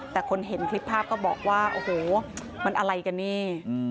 แต่คนเห็นคลิปภาพก็บอกว่าโอ้โหมันอะไรกันนี่